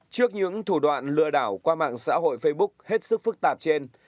trước những thủ đoạn lừa đảo qua mạng xã hội facebook hết sức phức tạp trên